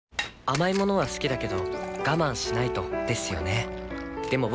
甘い物は好きだけど我慢しないとですよね